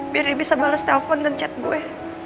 biar dia bisa balas telpon dan chat gue